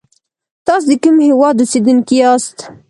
تاسی دکوم هیواد اوسیدونکی یاست